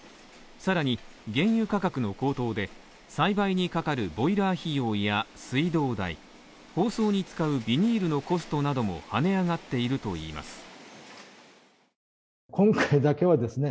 更に、原油価格の高騰で栽培にかかるボイラー費用や水道代、包装に使うビニールのコストなども跳ね上がっているといいます。